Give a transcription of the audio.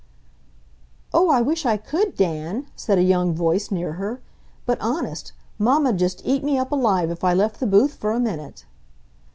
"Oh, I wish I could, Dan!" said a young voice near her. "But honest! Momma'd just eat me up alive if I left the booth for a minute!"